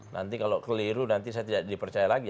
nanti kalau keliru nanti saya tidak dipercaya lagi